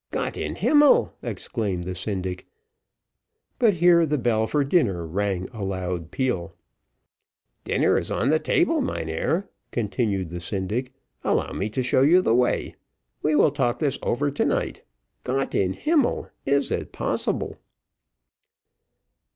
"Gott in himmel!" exclaimed the syndic; but here the bell for dinner rang a loud peal. "Dinner is on the table, mynheer," continued the syndic, "allow me to show you the way. We will talk this over to night. Gott in himmel! Is it possible?"